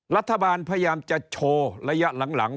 รัฐบาลพยายามจะโชว์ระยะหลัง